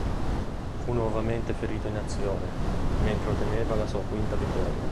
Fu nuovamente ferito in azione, mentre otteneva la sua quinta vittoria.